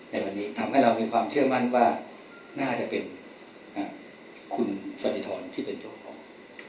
ในวันนี้ทำให้เรามีความเชื่อมั่นว่าน่าจะเป็นคุณสถิธรที่เป็นเจ้าของ